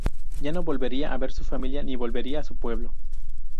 Ya no volvería a ver a su familia ni volvería a su pueblo.